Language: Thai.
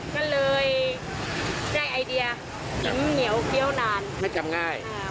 ก็เลยได้ไอเดียกินเหนียวเคี้ยวนานไม่จำง่าย